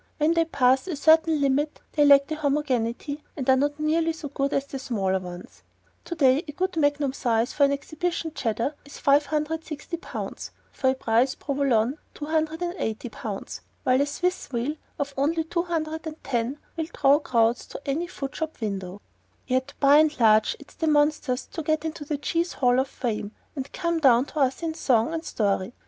When they pass a certain limit, they lack homogeneity and are not nearly so good as the smaller ones. Today a good magnum size for an exhibition Cheddar is 560 pounds; for a prize Provolone, 280 pounds; while a Swiss wheel of only 210 will draw crowds to any food shop window. Yet by and large it's the monsters that get into the Cheese Hall of Fame and come down to us in song and story.